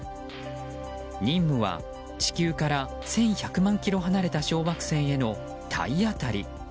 任務は地球から１１００万キロ離れた小惑星への体当たり。